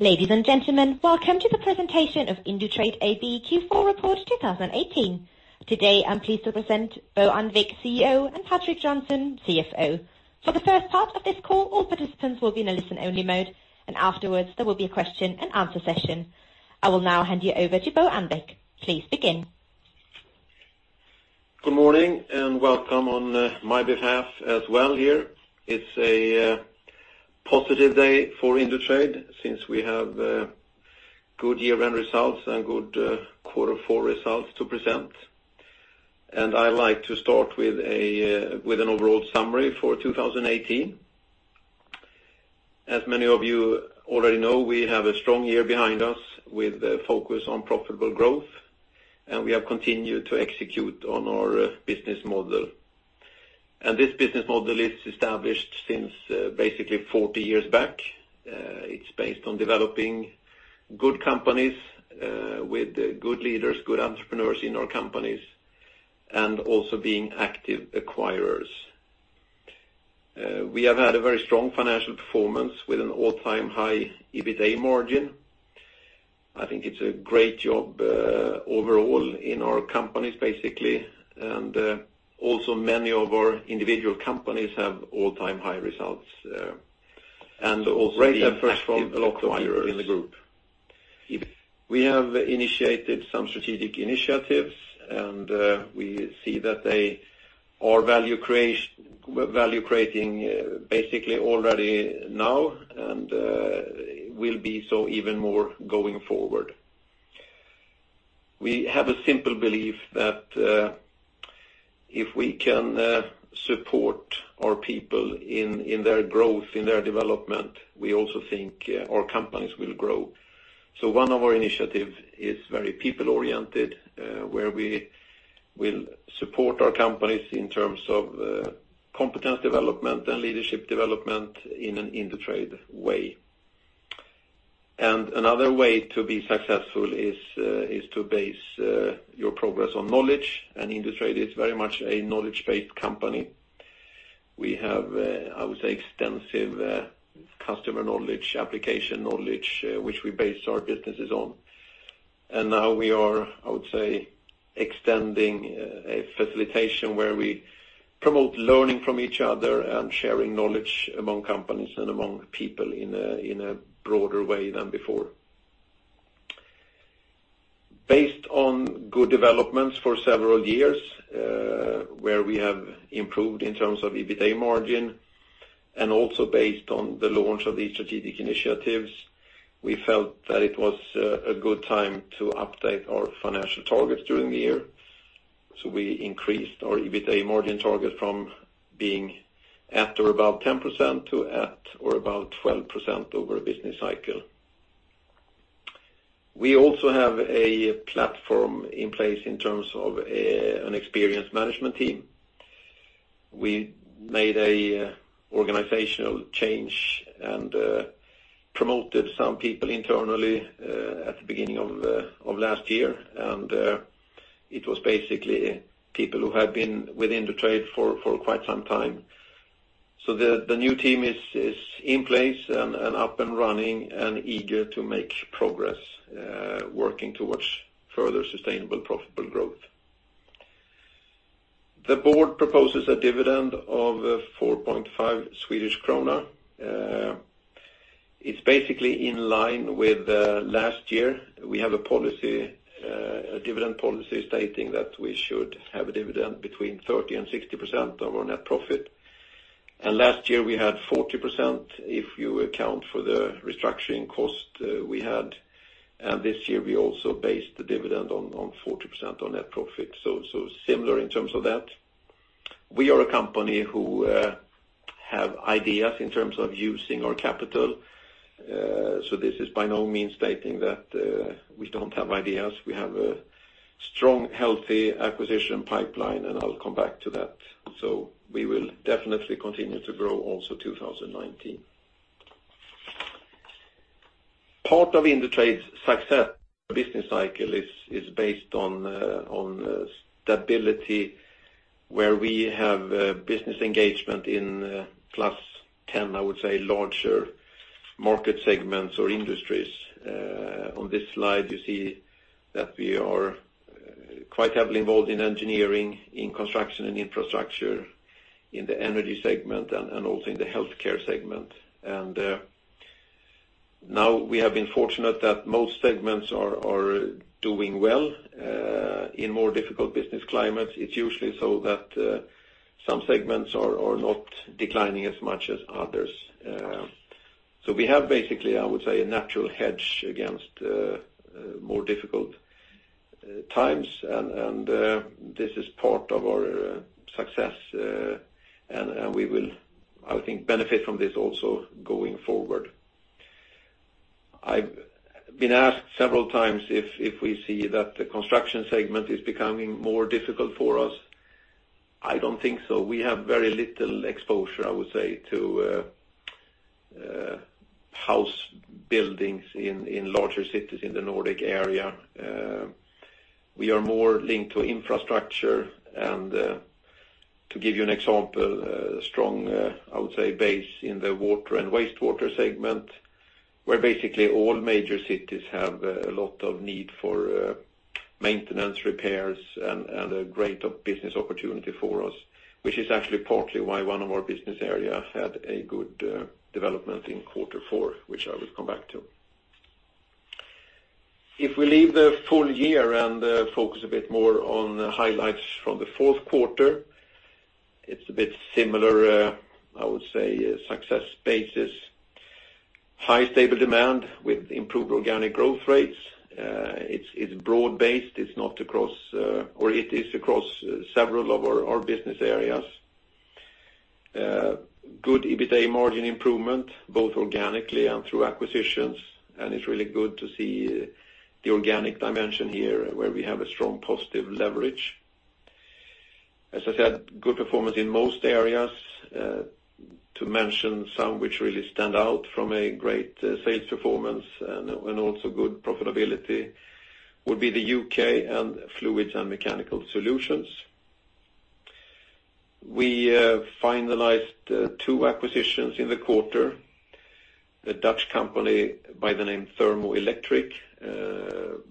Ladies and gentlemen, Welcome to the Presentation of Indutrade AB Q4 Report 2018. Today, I am pleased to present Bo Annvik, CEO, and Patrik Johnson, CFO. For the first part of this call, all participants will be in a listen-only mode, and afterwards there will be a question and answer session. I will now hand you over to Bo Annvik. Please begin. Good morning, and welcome on my behalf as well here. It is a positive day for Indutrade since we have good year-end results and good quarter four results to present. And I like to start with an overall summary for 2018. As many of you already know, we have a strong year behind us with a focus on profitable growth, and we have continued to execute on our business model. This business model is established since basically 40 years back. It is based on developing good companies with good leaders, good entrepreneurs in our companies, and also being active acquirers. We have had a very strong financial performance with an all-time high EBITA margin. I think it is a great job overall in our companies, basically, and also many of our individual companies have all-time high results and also being active acquirers. Great efforts from a lot of people in the group. We have initiated some strategic initiatives, and we see that they are value-creating basically already now, and will be so even more going forward. We have a simple belief that if we can support our people in their growth, in their development, we also think our companies will grow. One of our initiatives is very people-oriented, where we will support our companies in terms of competence development and leadership development in an Indutrade way. Another way to be successful is to base your progress on knowledge, and Indutrade is very much a knowledge-based company. We have, I would say, extensive customer knowledge, application knowledge, which we base our businesses on. Now we are, I would say, extending a facilitation where we promote learning from each other and sharing knowledge among companies and among people in a broader way than before. Based on good developments for several years, where we have improved in terms of EBITA margin and also based on the launch of these strategic initiatives, we felt that it was a good time to update our financial targets during the year. We increased our EBITA margin target from being at or above 10% to at or above 12% over a business cycle. We also have a platform in place in terms of an experienced management team. We made an organizational change and promoted some people internally at the beginning of last year, and it was basically people who have been with Indutrade for quite some time. The new team is in place and up and running and eager to make progress, working towards further sustainable profitable growth. The board proposes a dividend of 4.5 Swedish krona. It is basically in line with last year. We have a dividend policy stating that we should have a dividend between 30% and 60% of our net profit. Last year we had 40%, if you account for the restructuring cost we had, and this year we also based the dividend on 40% on net profit. Similar in terms of that. We are a company who have ideas in terms of using our capital. This is by no means stating that we don't have ideas. We have a strong, healthy acquisition pipeline, and I'll come back to that. So, we will definitely continue to grow also 2019. Part of Indutrade's success business cycle is based on stability where we have business engagement in 10+, I would say, larger market segments or industries. On this slide, you see that we are quite heavily involved in engineering, in construction and infrastructure, in the energy segment, and also in the healthcare segment. Now we have been fortunate that most segments are doing well. In more difficult business climates, it's usually so that some segments are not declining as much as others. We have basically, I would say, a natural hedge against more difficult times, this is part of our success, we will, I think, benefit from this also going forward. I've been asked several times if we see that the construction segment is becoming more difficult for us. I don't think so. We have very little exposure, I would say, to house buildings in larger cities in the Nordic area. We are more linked to infrastructure. To give you an example, strong, I would say, base in the water and wastewater segment, where basically all major cities have a lot of need for maintenance, repairs, and a great business opportunity for us, which is actually partly why one of our Business Area had a good development in quarter four, which I will come back to. If we leave the full year and focus a bit more on the highlights from the fourth quarter, it's a bit similar, I would say, success bases. High stable demand with improved organic growth rates. It's broad-based. It is across several of our Business Area. Good EBITA margin improvement, both organically and through acquisitions, and it's really good to see the organic dimension here where we have a strong positive leverage. As I said, good performance in most areas. To mention some which really stand out from a great sales performance and also good profitability would be the U.K. and Fluids & Mechanical Solutions. We finalized two acquisitions in the quarter. A Dutch company by the name Thermo Electric,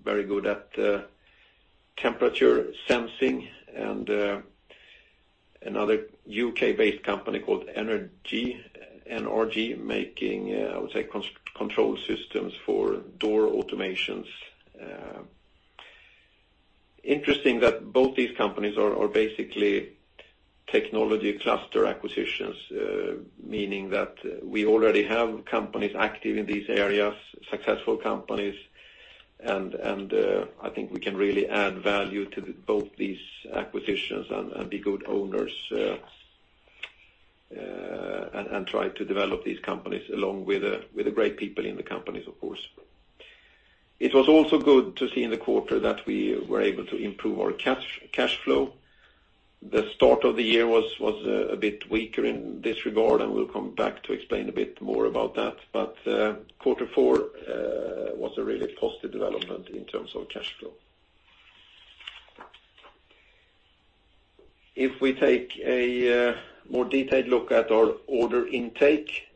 very good at temperature sensing, and another U.K.-based company called NRG-- NRG making, I would say, control systems for door automations. I think we can really add value to both these acquisitions and be good owners, and try to develop these companies along with the great people in the companies, of course. It was also good to see in the quarter that we were able to improve our cash flow. The start of the year was a bit weaker in this regard, and we'll come back to explain a bit more about that. Quarter four was a really positive development in terms of cash flow. If we take a more detailed look at our order intake,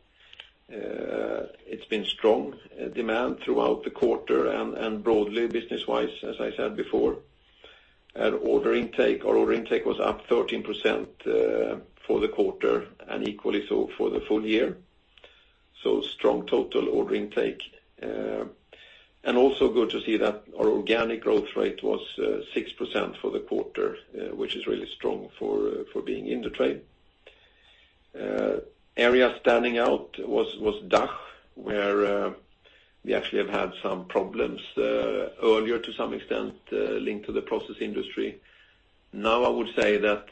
it's been strong demand throughout the quarter and broadly business-wise, as I said before. Our order intake was up 13% for the quarter and equally so for the full year. Strong total order intake. Also good to see that our organic growth rate was 6% for the quarter, which is really strong for being Indutrade. Area standing out was DACH, where we actually have had some problems earlier to some extent, linked to the process industry. I would say that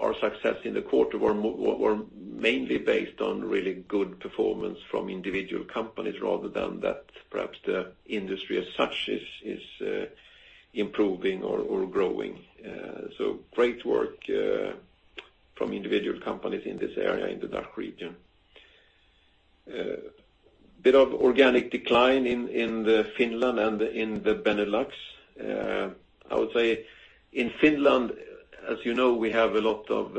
our success in the quarter were mainly based on really good performance from individual companies rather than that perhaps the industry as such is improving or growing. So, great work from individual companies in this area, in the DACH region. A bit of organic decline in Finland and in the Benelux. I would say in Finland, as you know, we have a lot of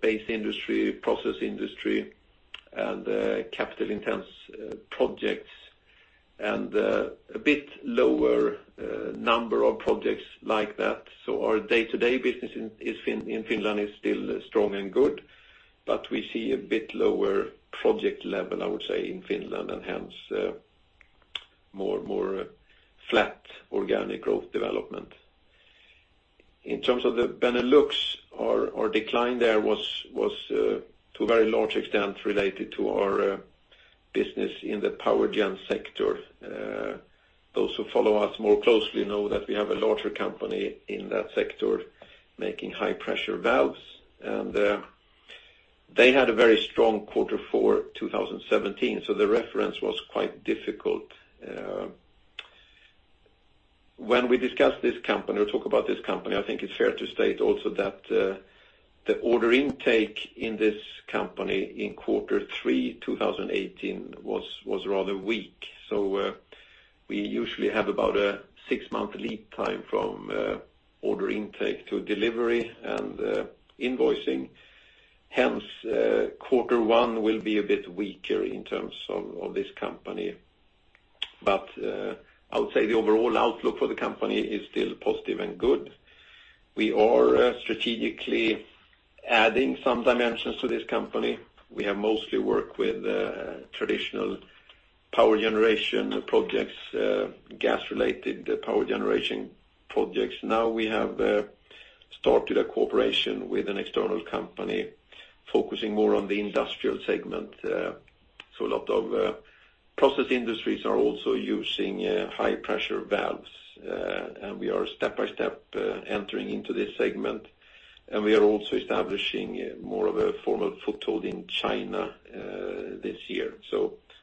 base industry, process industry, and capital-intense projects, and a bit lower number of projects like that. Our day-to-day business in Finland is still strong and good, but we see a bit lower project level, I would say, in Finland, and hence more flat organic growth development. In terms of the Benelux, our decline there was to a very large extent related to our business in the power gen sector. Those who follow us more closely know that we have a larger company in that sector making high-pressure valves. They had a very strong quarter for 2017, so the reference was quite difficult. When we discuss this company or talk about this company, I think it's fair to state also that the order intake in this company in quarter three 2018 was rather weak. We usually have about a six-month lead time from order intake to delivery and invoicing. Hence, quarter one will be a bit weaker in terms of this company. I would say the overall outlook for the company is still positive and good. We are strategically adding some dimensions to this company. We have mostly worked with traditional power generation projects, gas-related power generation projects. We have started a cooperation with an external company focusing more on the industrial segment. A lot of process industries are also using high-pressure valves, and we are step by step entering into this segment. We are also establishing more of a formal foothold in China this year.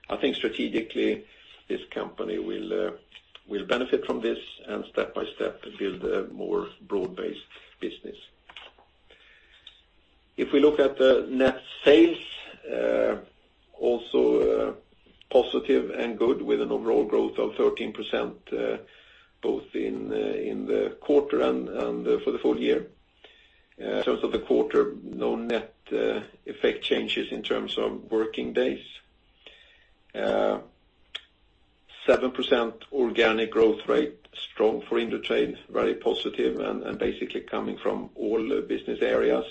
I think strategically, this company will benefit from this and step by step build a more broad-based business. If we look at the net sales, also positive and good with an overall growth of 13% both in the quarter and for the full year. In terms of the quarter, no net effect changes in terms of working days. 7% organic growth rate, strong for Indutrade, very positive, and basically coming from all Business Area.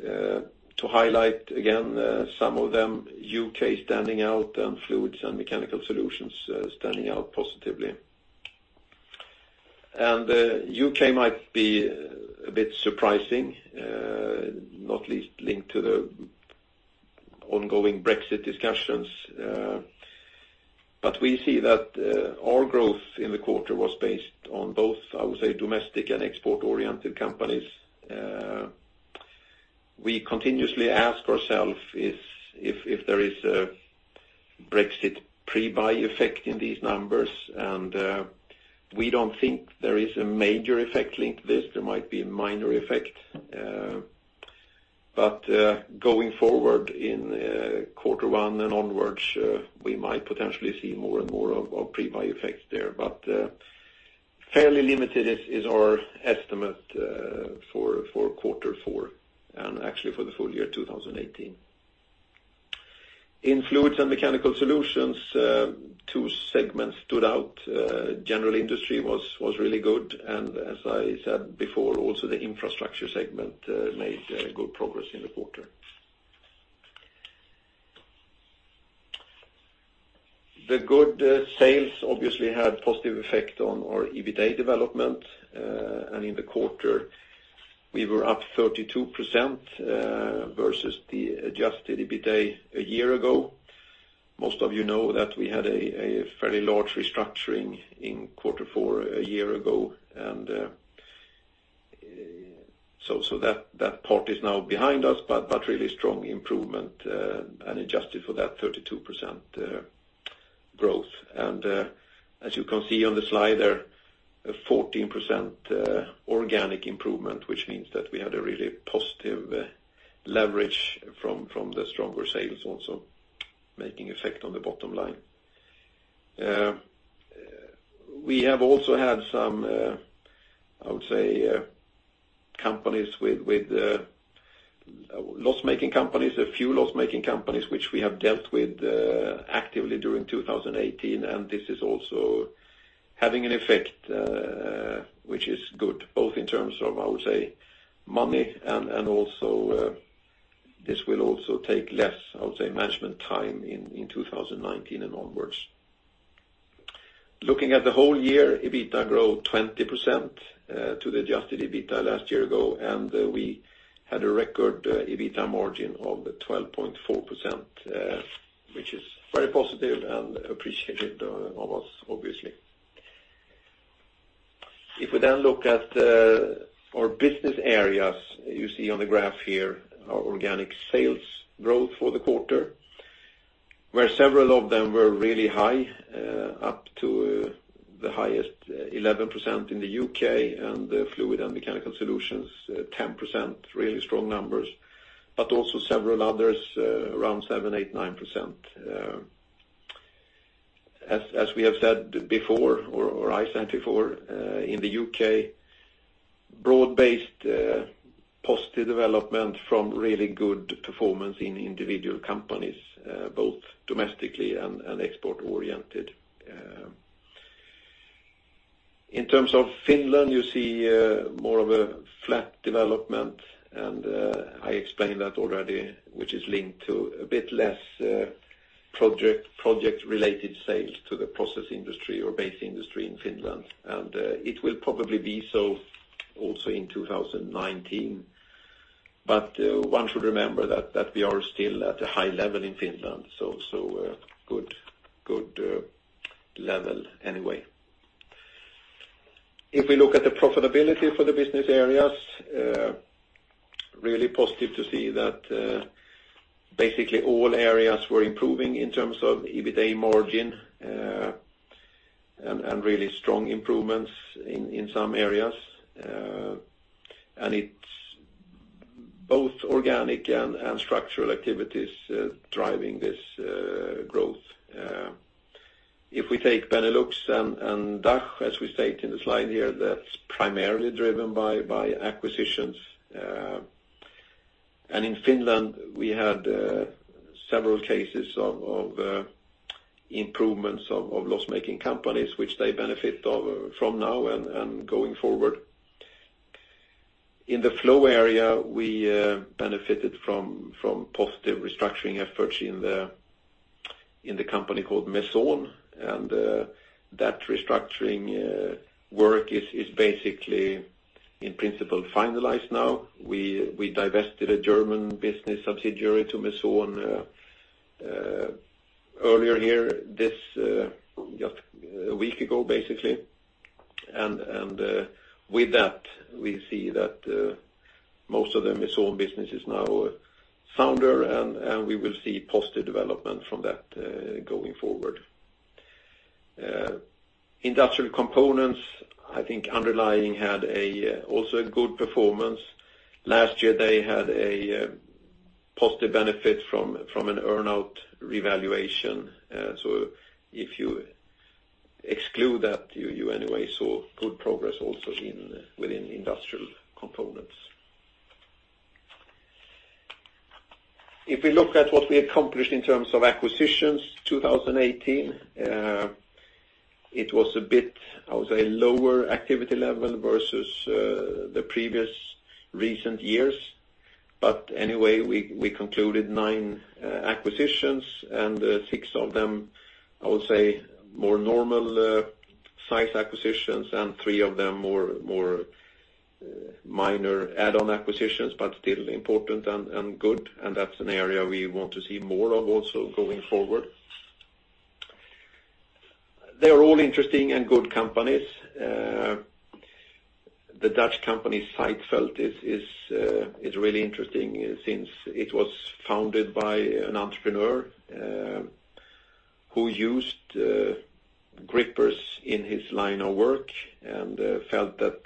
To highlight again, some of them, U.K. standing out, and Fluids & Mechanical Solutions standing out positively. U.K. might be a bit surprising, not least linked to the ongoing Brexit discussions. We see that all growth in the quarter was based on both, I would say, domestic and export-oriented companies. We continuously ask ourselves if there is a Brexit pre-buy effect in these numbers, we don't think there is a major effect linked to this. There might be a minor effect. Going forward in quarter one and onwards, we might potentially see more and more of pre-buy effects there. Fairly limited is our estimate for quarter four, and actually for the full year 2018. In Fluids & Mechanical Solutions, two segments stood out. General industry was really good, and as I said before, also the infrastructure segment made good progress in the quarter. The good sales obviously had positive effect on our EBITA development. In the quarter we were up 32% versus the Adjusted EBITA a year ago. Most of you know that we had a fairly large restructuring in quarter four a year ago, that part is now behind us, really strong improvement and adjusted for that 32% growth. As you can see on the slide there, a 14% organic improvement, which means that we had a really positive leverage from the stronger sales also making effect on the bottom line. We have also had some, I would say, companies with a-- loss-making companies, a few loss-making companies, which we have dealt with actively during 2018. This is also having an effect which is good both in terms of, I would say, money and also this will also take less, I would say, management time in 2019 and onwards. Looking at the whole year, EBITA grew 20% to the Adjusted EBITA last year ago, we had a record EBITA margin of 12.4%, which is very positive and appreciated of us obviously. We then look at our Business Area, you see on the graph here our organic sales growth for the quarter, where several of them were really high, up to the highest 11% in the U.K., the Fluids & Mechanical Solutions 10%, really strong numbers, also several others around 7%, 8%, 9%. We have said before, or I said before, in the U.K., broad-based positive development from really good performance in individual companies both domestically and export-oriented. In terms of Finland, you see more of a flat development I explained that already, which is linked to a bit less project-related sales to the process industry or base industry in Finland. It will probably be so also in 2019. One should remember that we are still at a high level in Finland, good level anyway. We look at the profitability for the Business Area, really positive to see that basically all areas were improving in terms of EBITA margin, really strong improvements in some areas. It's both organic and structural activities driving this growth. We take Benelux and DACH, as we state in the slide here, that's primarily driven by acquisitions. In Finland we had several cases of improvements of loss-making companies which they benefit from now and going forward. In the Flow area, we benefited from positive restructuring efforts in the company called Meson, that restructuring work is basically, in principle, finalized now. We divested a German business subsidiary to Meson earlier here, just a week ago, basically. With that, we see that most of the Meson business is now sounder and we will see positive development from that going forward. Industrial Components, I think underlying had also a good performance. Last year, they had a positive benefit from an earn-out revaluation. If you exclude that, you anyway saw good progress also within Industrial Components. If we look at what we accomplished in terms of acquisitions, 2018, it was a bit, I would say, lower activity level versus the previous recent years. Anyway, we concluded nine acquisitions, and six of them, I would say more normal size acquisitions and three of them more minor add-on acquisitions, but still important and good, and that's an area we want to see more of also going forward. They are all interesting and good companies. The Dutch company, Zijtveld, is really interesting since it was founded by an entrepreneur who used grippers in his line of work and felt that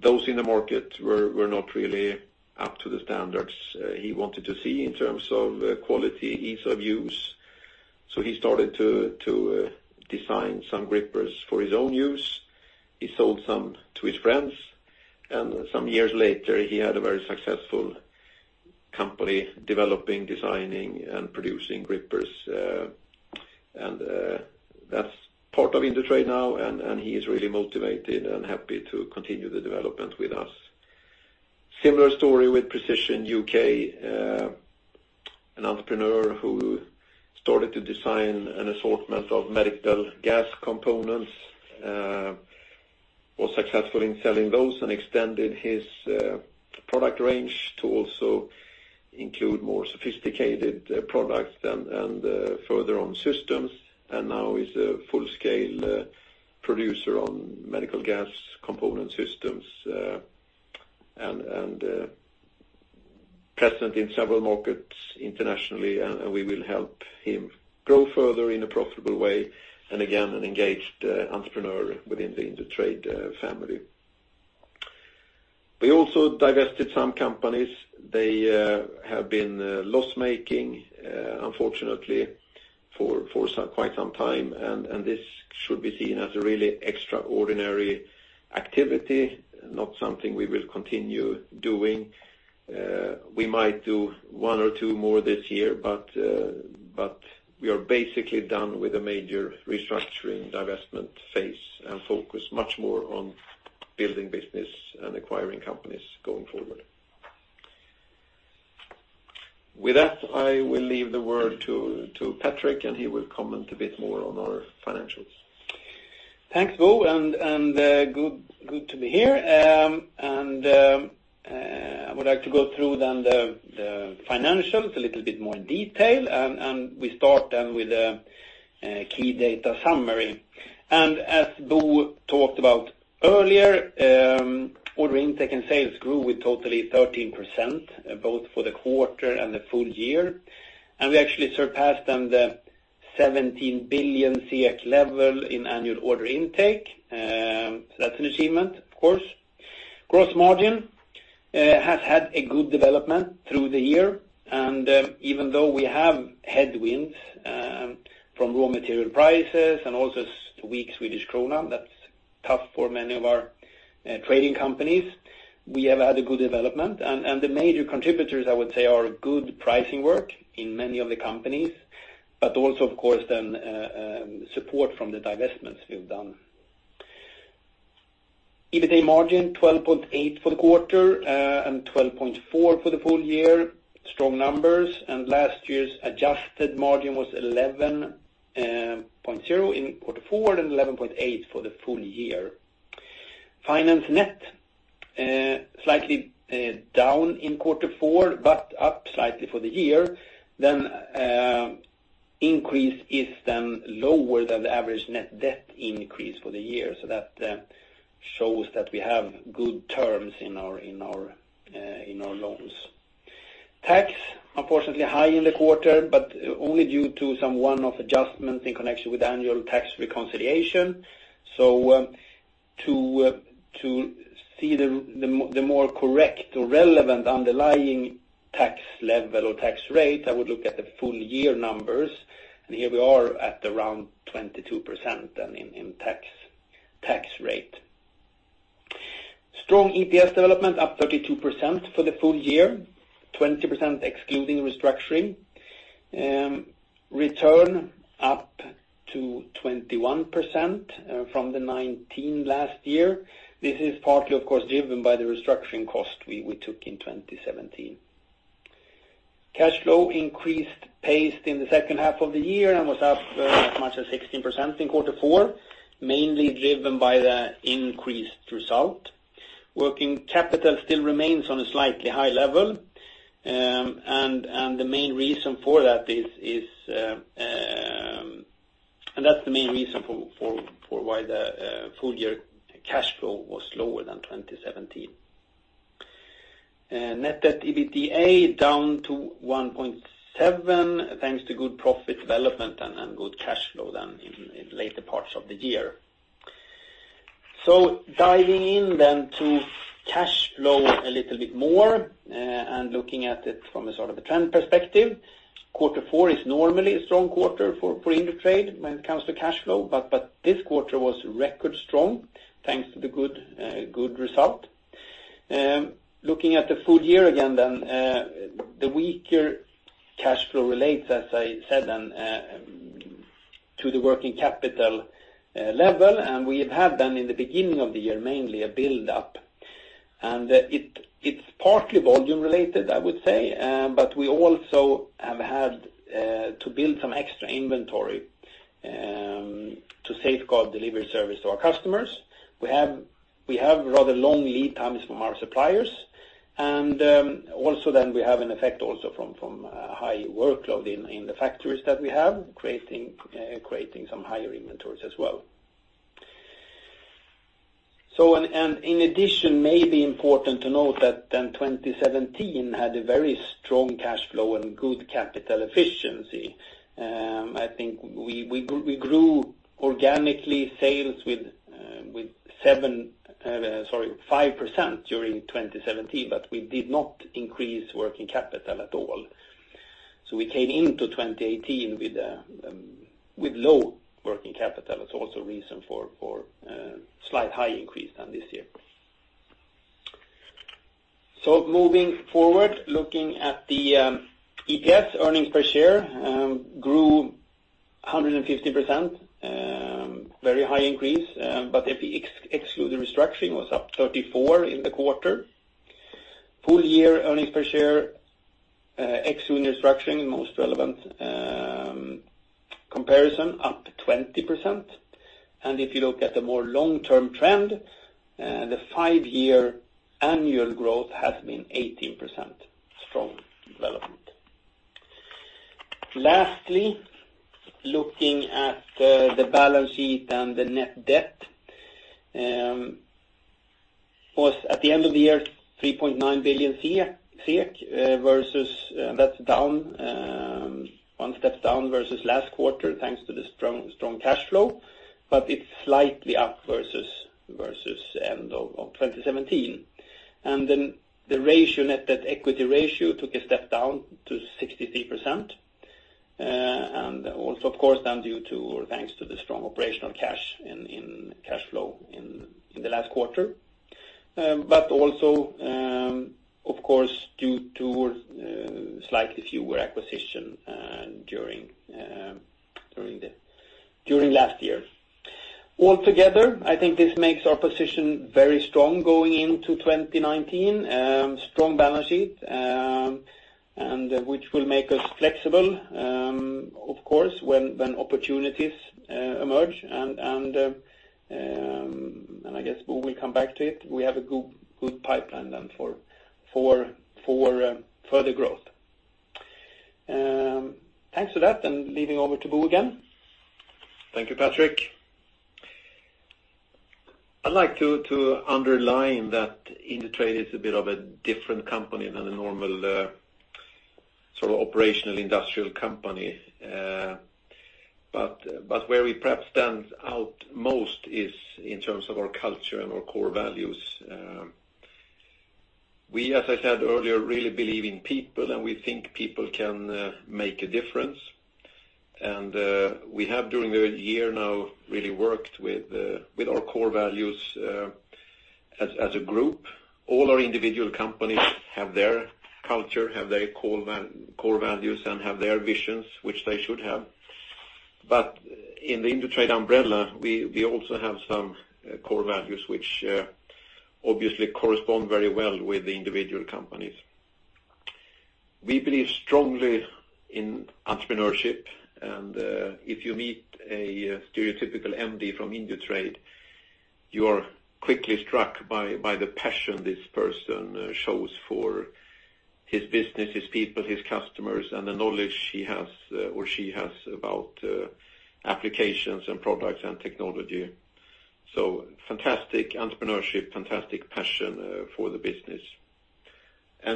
those in the market were not really up to the standards he wanted to see in terms of quality, ease of use. He started to design some grippers for his own use. He sold some to his friends, and some years later, he had a very successful company developing, designing, and producing grippers. That's part of Indutrade now, and he is really motivated and happy to continue the development with us. Similar story with Precision UK, an entrepreneur who started to design an assortment of medical gas components, was successful in selling those and extended his product range to also include more sophisticated products and further on systems, and now is a full-scale producer on medical gas component systems, and present in several markets internationally, and we will help him grow further in a profitable way, and again, an engaged entrepreneur within the Indutrade family. We also divested some companies. They have been loss-making, unfortunately, for quite some time, and this should be seen as a really extraordinary activity, not something we will continue doing. We might do one or two more this year, but we are basically done with a major restructuring divestment phase and focus much more on building business and acquiring companies going forward. With that, I will leave the word to Patrik, he will comment a bit more on our financials. Thanks, Bo, good to be here. I would like to go through the financials a little bit more in detail, we start with a key data summary. As Bo talked about earlier, order intake and sales grew with 13%, both for the quarter and the full year. We actually surpassed the 17 billion level in annual order intake. That's an achievement, of course. Gross margin has had a good development through the year, and even though we have headwinds from raw material prices and also weak Swedish krona, that's tough for many of our trading companies, we have had a good development. The major contributors, I would say, are good pricing work in many of the companies, but also, of course, support from the divestments we've done. EBITDA margin, 12.8% for the quarter and 12.4% for the full year. Strong numbers, last year's adjusted margin was 11.0% in quarter four and 11.8% for the full year. Finance net, slightly down in quarter four, but up slightly for the year. Increase is lower than the average net debt increase for the year, that shows that we have good terms in our loans. Tax, unfortunately high in the quarter, but only due to some one-off adjustment in connection with annual tax reconciliation. To see the more correct or relevant underlying tax level or tax rate, I would look at the full year numbers, here we are at around 22% in tax rate. Strong EPS development, up 32% for the full year, 20% excluding restructuring. Return up to 21% from the 19% last year. This is partly, of course, driven by the restructuring cost we took in 2017. Cash flow increased pace in the second half of the year and was up as much as 16% in quarter four, mainly driven by the increased result. Working capital still remains on a slightly high level. That's the main reason for why the full-year cash flow was lower than 2017. Net debt-to-EBITDA down to 1.7, thanks to good profit development and good cash flow in later parts of the year. Diving into cash flow a little bit more, looking at it from a trend perspective, quarter four is normally a strong quarter for Indutrade when it comes to cash flow, but this quarter was record strong thanks to the good result. Looking at the full year again, the weaker cash flow relates, as I said, to the working capital level. We have had in the beginning of the year, mainly a buildup. It's partly volume related, I would say, but we also have had to build some extra inventory to safeguard delivery service to our customers. We have rather long lead times from our suppliers, and also we have an effect from high workload in the factories that we have, creating some higher inventories as well. In addition, maybe important to note that 2017 had a very strong cash flow and good capital efficiency. I think we grew organically sales with 5% during 2017, but we did not increase working capital at all. We came into 2018 with low working capital. It's also reason for slight high increase this year. Moving forward, looking at the EPS, earnings per share, grew 150%. Very high increase. If you exclude the restructuring, was up 34% in the quarter. Full year EPS, excluding restructuring, most relevant comparison up 20%. If you look at the more long-term trend, the five-year annual growth has been 18% strong development. Lastly, looking at the balance sheet and the net debt, was at the end of the year 3.9 billion. That is one step down versus last quarter, thanks to the strong cash flow, but it is slightly up versus end of 2017. The net debt equity ratio took a step down to 63%. Also, of course, then thanks to the strong operational cash in cash flow in the last quarter. Also, of course, due to slightly fewer acquisitions during last year. Altogether, I think this makes our position very strong going into 2019. Strong balance sheet, which will make us flexible, of course, when opportunities emerge. I guess Bo will come back to it. We have a good pipeline then for further growth. Thanks for that. Leading over to Bo again. Thank you, Patrik. I would like to underline that Indutrade is a bit of a different company than a normal sort of operational industrial company. Where we perhaps stand out most is in terms of our culture and our core values. We, as I said earlier, really believe in people. We think people can make a difference. We have during the year now really worked with our core values as a group. All our individual companies have their culture, have their core values, and have their visions, which they should have. In the Indutrade umbrella, we also have some core values which obviously correspond very well with the individual companies. We believe strongly in entrepreneurship. If you meet a stereotypical MD from Indutrade, you are quickly struck by the passion this person shows for his business, his people, his customers, and the knowledge he has or she has about applications and products and technology. Fantastic entrepreneurship, fantastic passion for the business.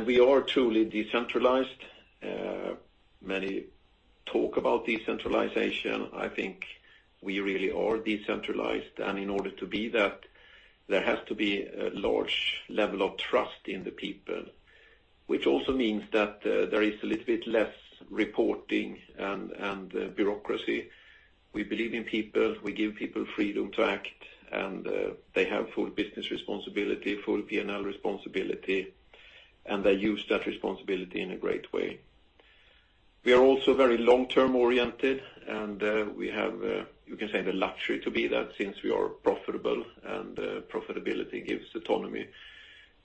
We are truly decentralized. Many talk about decentralization. I think we really are decentralized. In order to be that, there has to be a large level of trust in the people, which also means that there is a little bit less reporting and bureaucracy. We believe in people. We give people freedom to act. They have full business responsibility, full P&L responsibility, and they use that responsibility in a great way. We are also very long-term oriented, and we have, you can say, the luxury to be that since we are profitable, and profitability gives autonomy.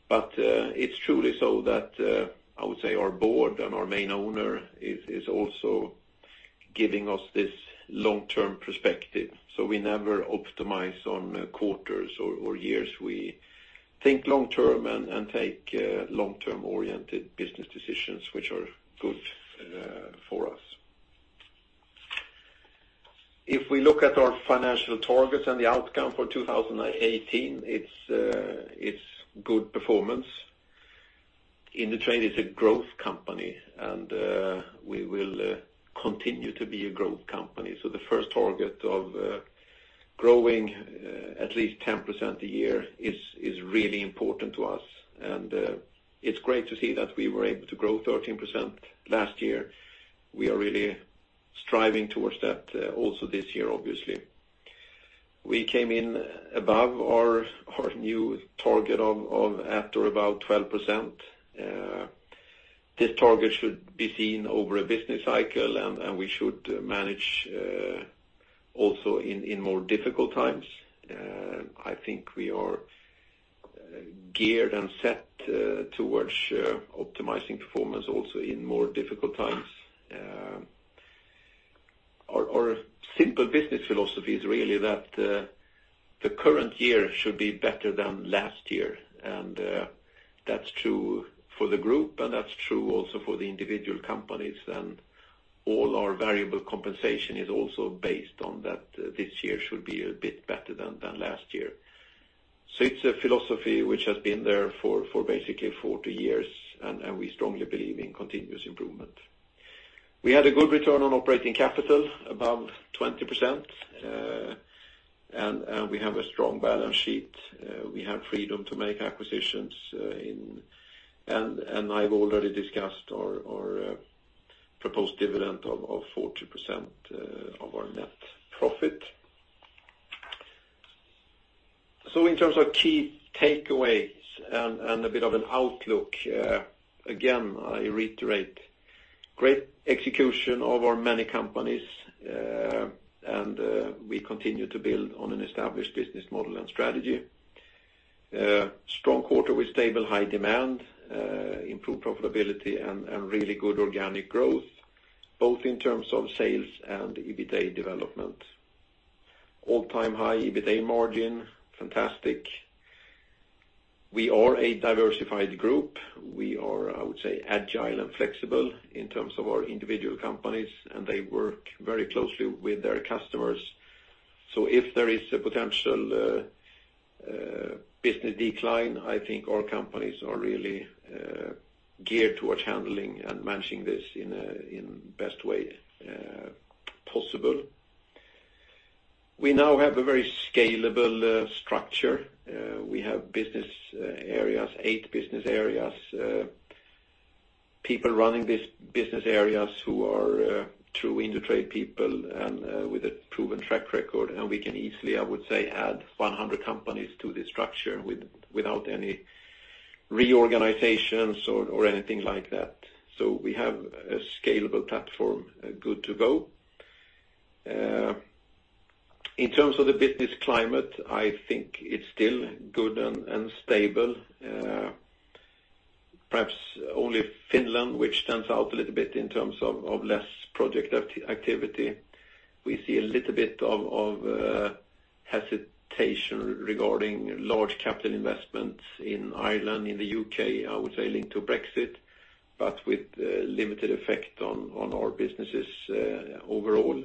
It's truly so that, I would say our Board and our main owner is also giving us this long-term perspective. We never optimize on quarters or years. We think long-term and take long-term oriented business decisions, which are good for us. If we look at our financial targets and the outcome for 2018, it's good performance. Indutrade is a growth company, and we will continue to be a growth company. The first target of growing at least 10% a year is really important to us, and it's great to see that we were able to grow 13% last year. We are really striving towards that also this year, obviously. We came in above our new target of after about 12%. This target should be seen over a business cycle, and we should manage also in more difficult times. I think we are geared and set towards optimizing performance also in more difficult times. Our simple business philosophy is really that the current year should be better than last year. That's true for the group, and that's true also for the individual companies, and all our variable compensation is also based on that, this year should be a bit better than last year. It's a philosophy which has been there for basically 40 years, and we strongly believe in continuous improvement. We had a good return on operating capital above 20%. We have a strong balance sheet. We have freedom to make acquisitions. I've already discussed our proposed dividend of 40% of our net profit. In terms of key takeaways and a bit of an outlook, again, I reiterate, great execution of our many companies, and we continue to build on an established business model and strategy. Strong quarter with stable, high demand, improved profitability, and really good organic growth, both in terms of sales and EBITA development. All-time high EBITA margin, fantastic. We are a diversified group. We are, I would say, agile and flexible in terms of our individual companies, and they work very closely with their customers. If there is a potential business decline, I think our companies are really geared towards handling and managing this in best way possible. We now have a very scalable structure. We have Business Area, eight Business Area. People running these Business Area who are true Indutrade people and with a proven track record, and we can easily, I would say, add 100 companies to the structure without any reorganizations or anything like that. We have a scalable platform, good to go. In terms of the business climate, I think it's still good and stable. Perhaps only Finland, which stands out a little bit in terms of less project activity. We see a little bit of hesitation regarding large capital investments in Ireland, in the U.K., I would say linked to Brexit. With limited effect on our businesses overall.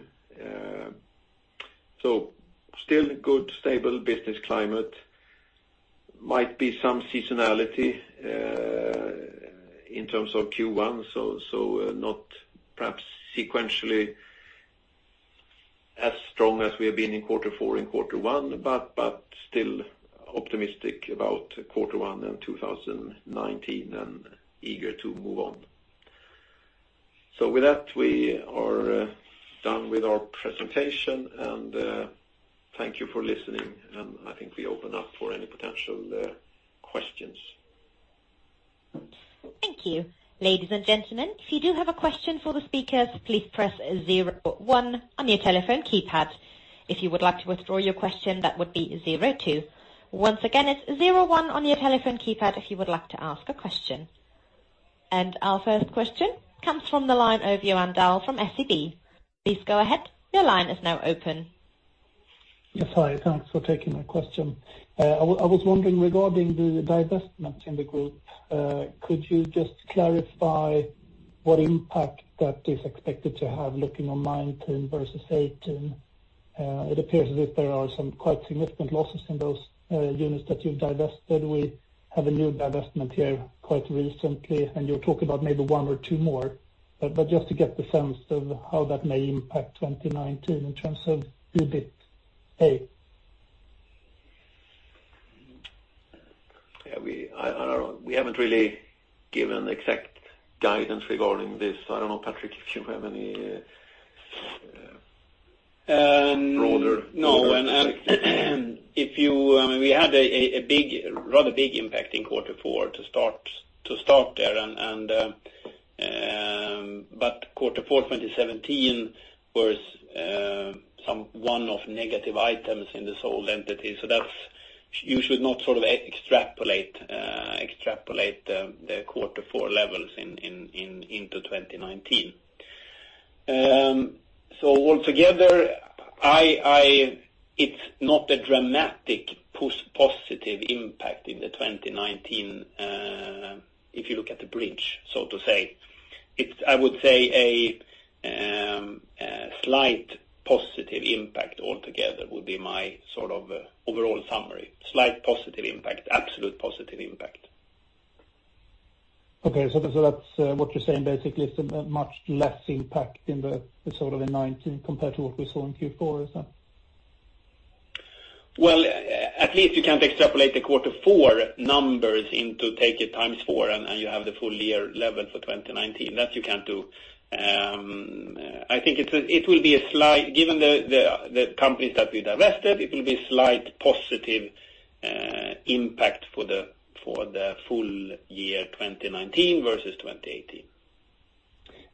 Still good, stable business climate. Might be some seasonality, in terms of Q1. Not perhaps sequentially as strong as we have been in quarter four and quarter one. Still optimistic about quarter one in 2019 and eager to move on. With that, we are done with our presentation, thank you for listening, I think we open up for any potential questions. Thank you. Ladies and gentlemen, if you do have a question for the speakers, please press zero one on your telephone keypad. If you would like to withdraw your question, that would be zero two. Once again, it's zero one on your telephone keypad if you would like to ask a question. Our first question comes from the line of Johan Dahl from SEB. Please go ahead. Your line is now open. Yes. Hi, thanks for taking my question. I was wondering regarding the divestment in the group. Could you just clarify what impact that is expected to have looking on 2019 versus 2018? It appears that there are some quite significant losses in those units that you've divested. We have a new divestment here quite recently, you're talking about maybe one or two more. Just to get the sense of how that may impact 2019 in terms of EBITA. We haven't really given exact guidance regarding this. I don't know, Patrik. No. If you-- we had a rather big impact in quarter four to start there. Quarter four 2017 was some one-off negative items in the sold entity. You should not extrapolate the quarter four levels into 2019. Altogether, it is not a dramatic positive impact in 2019. If you look at the bridge, so to say, I would say a slight positive impact altogether would be my overall summary. Slight positive impact, absolute positive impact. Okay. What you are saying basically is much less impact in the sort of in 2019 compared to what we saw in Q4, is that? Well, at least you cannot extrapolate the quarter four numbers into take it times four, you have the full year level for 2019. That you cannot do. Given the companies that we divested, it will be a slight positive impact for the full year 2019 versus 2018.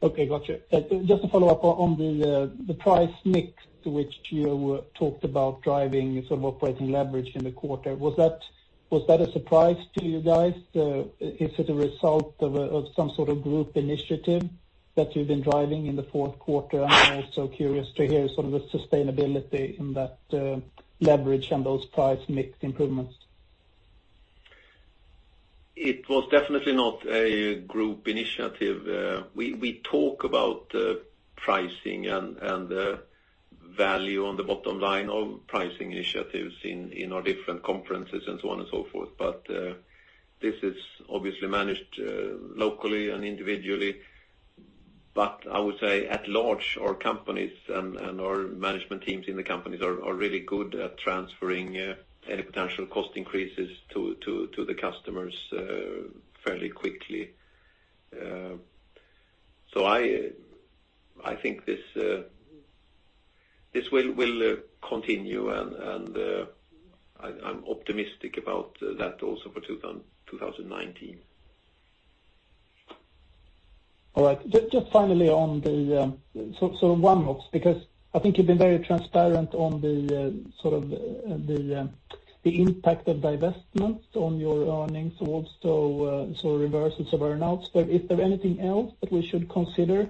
Okay, gotcha. Just to follow up on the price mix, which you talked about driving operating leverage in the quarter. Was that a surprise to you guys? Is it a result of some sort of group initiative that you have been driving in the fourth quarter? I am also curious to hear the sustainability in that leverage and those price mix improvements. It was definitely not a group initiative. We talk about pricing and value on the bottom line of pricing initiatives in our different conferences and so on and so forth. This is obviously managed locally and individually. I would say at large, our companies and our management teams in the companies are really good at transferring any potential cost increases to the customers fairly quickly. I think this will continue, and I'm optimistic about that also for 2019. All right. Just finally on the one box, because I think you've been very transparent on the impact of divestments on your earnings and also reversals of earn-outs. Is there anything else that we should consider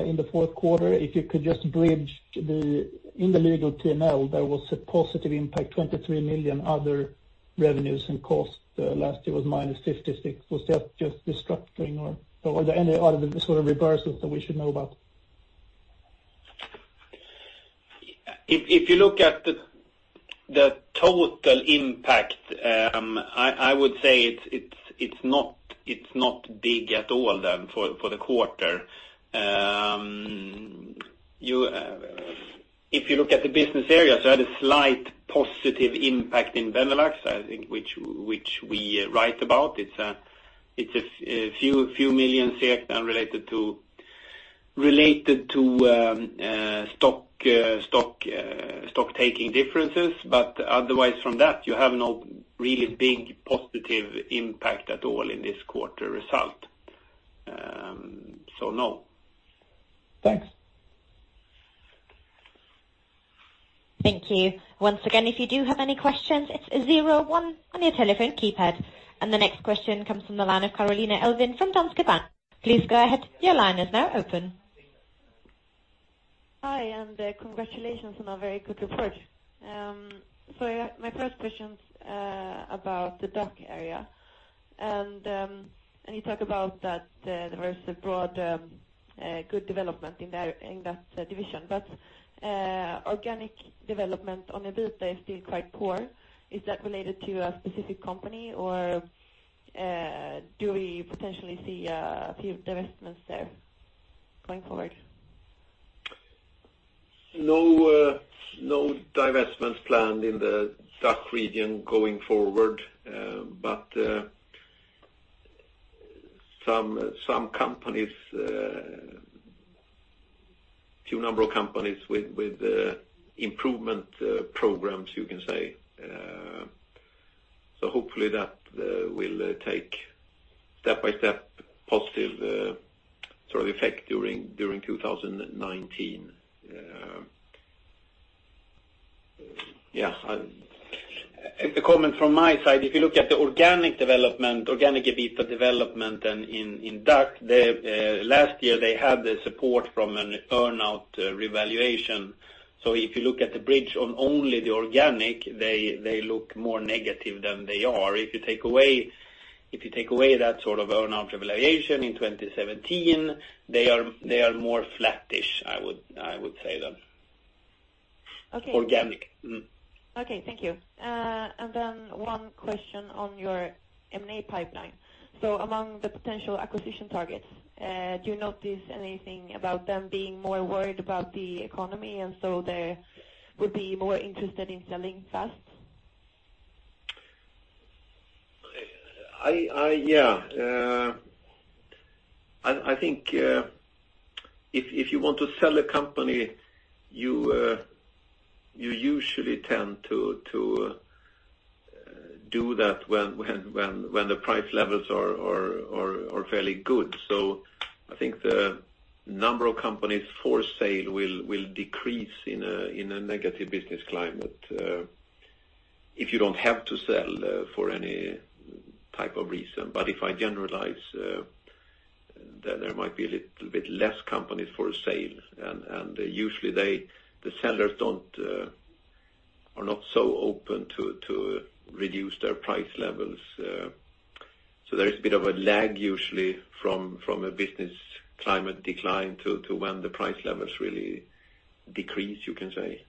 in the fourth quarter? If you could just bridge the in the legal P&L, there was a positive impact, 23 million other revenues and cost. Last year was minus 56. Was that just restructuring or are there any other sort of reversals that we should know about? If you look at the total impact, I would say it's not big at all then for the quarter. If you look at the Business Area, they had a slight positive impact in Benelux, I think, which we write about. It's a few million SEK unrelated to stock taking differences, otherwise from that you have no really big positive impact at all in this quarter result. So, no. Thanks. Thank you. Once again, if you do have any questions, it's zero one on your telephone keypad. The next question comes from the line of Carolina Elvind from Danske Bank. Please go ahead. Your line is now open. Hi. Congratulations on a very good report. My first question's about the DACH area. You talk about that there is a broad good development in that division, but organic development on EBITA is still quite poor. Is that related to a specific company or do we potentially see a few divestments there going forward? No divestments planned in the DACH region going forward. But some companies, two companies with improvement programs, you can say, hopefully that will take step-by-step positive effect during 2019. A comment from my side, if you look at the organic EBITA development in DACH, last year they had the support from an earn-out revaluation. If you look at the bridge on only the organic, they look more negative than they are. If you take away that earn-out revaluation in 2017, they are more flattish, I would say then. Okay. Organic. Okay. Thank you. One question on your M&A pipeline. Among the potential acquisition targets, do you notice anything about them being more worried about the economy, and they would be more interested in selling fast? I think if you want to sell a company, you usually tend to do that when the price levels are fairly good. I think the number of companies for sale will decrease in a negative business climate, if you don't have to sell for any type of reason. If I generalize, there might be a little bit less companies for sale. Usually the sellers are not so open to reduce their price levels. There is a bit of a lag usually from a business climate decline to when the price levels really decrease, you can say.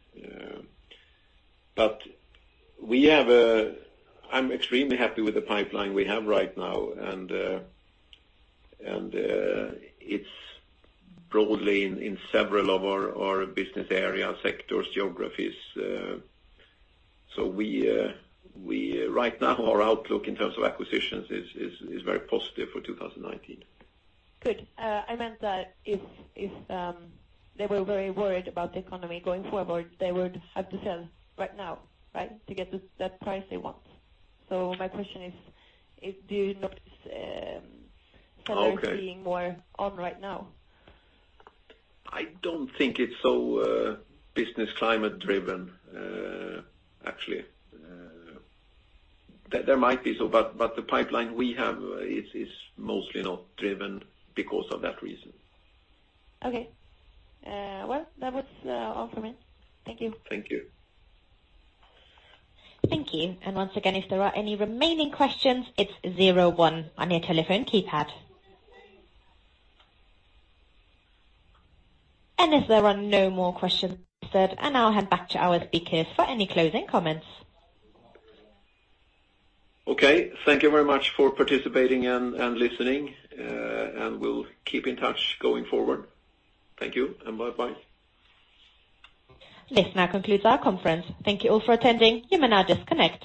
I'm extremely happy with the pipeline we have right now, and it's broadly in several of our Business Area, sectors, geographies. Right now our outlook in terms of acquisitions is very positive for 2019. Good. I meant that if they were very worried about the economy going forward, they would have to sell right now, right? To get the price they want. My question is, do you notice sellers being more on right now? I don't think it's so business climate driven, actually. There might be, but the pipeline we have is mostly not driven because of that reason. Okay. Well, that was all from me. Thank you. Thank you. Thank you. Once again, if there are any remaining questions, it's zero one on your telephone keypad. As there are no more questions, and I'll hand back to our speakers for any closing comments. Okay. Thank you very much for participating and listening, and we'll keep in touch going forward. Thank you, and bye-bye. This now concludes our conference. Thank you all for attending. You may now disconnect.